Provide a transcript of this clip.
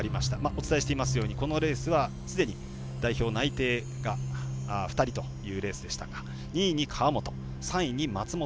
お伝えしていますようにこのレースはすでに代表内定が２人というレースでしたが２位に川本、３位に松元。